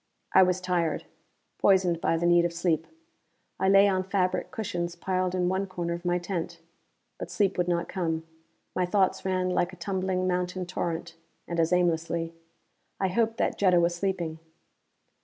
I was tired, poisoned by the need of sleep. I lay on fabric cushions piled in one corner of my tent. But sleep would not come; my thoughts ran like a tumbling mountain torrent, and as aimlessly. I hoped that Jetta was sleeping.